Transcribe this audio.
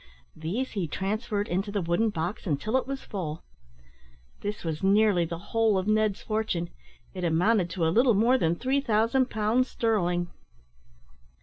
These he transferred into the wooden box until it was full. This was nearly the whole of Ned's fortune. It amounted to a little more than 3000 pounds sterling.